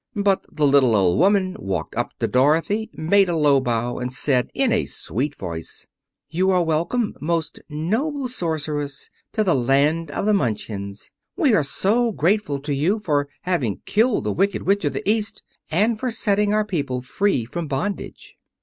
But the little old woman walked up to Dorothy, made a low bow and said, in a sweet voice: "You are welcome, most noble Sorceress, to the land of the Munchkins. We are so grateful to you for having killed the Wicked Witch of the East, and for setting our people free from bondage."